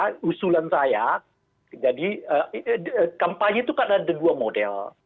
kebetulan saya jadi kampanye itu kan ada dua model